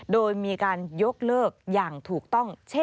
โดยมีการยกเลิกอย่างถูกต้องเช่น